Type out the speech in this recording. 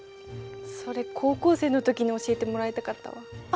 それ高校生の時に教えてもらいたかったわ。